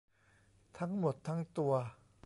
ทั้งหมดทั้งตัว